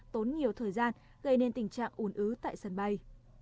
tốn nhiều thời gian gây nên tình trạng ủn ứ tại sân bay